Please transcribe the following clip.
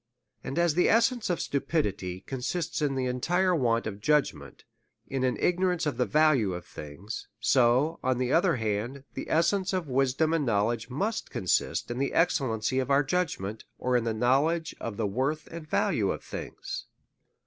And as the essence of stupidity consists in the entire want of judgment, in an ignorance of the value of things ; so, on the other hand, the essence of wis dom and knowledge must consist in the excellency of our judgment, or in the knowledge of the worth and value of things.